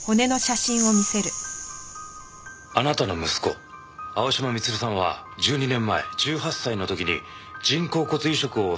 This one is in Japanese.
あなたの息子青嶋光留さんは１２年前１８歳の時に人工骨移植をされていますよね？